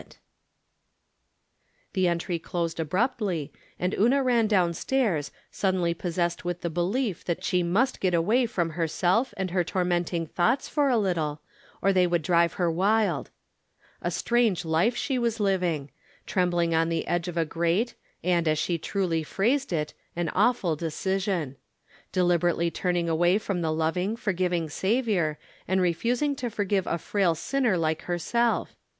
252 From Different Standpoints. The entry closed abruptly, and Una ran down stairs, suddenly possessed 'uith the belief that she must get aAvay from herself and her tormenting thoughts for a little, or they would drive her wild. A strange life she was living. Trembling on the edge of a great, and, as she truly plirased it, an awful decision. Deliberately turning away from the loving, forgiving Saviour, and refusing to forgive a frail sinner lite herself.